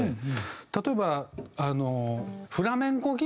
例えば。